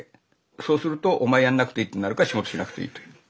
そうすると「お前やんなくていい」ってなるから仕事しなくていいという。